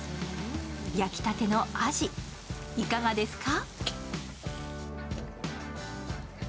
焼きたてのアジ、いかがですか？